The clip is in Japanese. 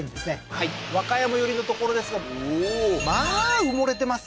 はい和歌山寄りの所ですがおおーまあ埋もれてますね